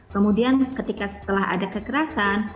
kemudian ketika setelah ada kekerasan